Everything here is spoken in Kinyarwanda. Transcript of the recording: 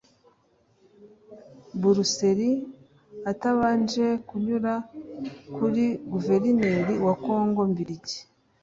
Buruseli atabanje kunyura kuri guverineri wa kongo mbirigi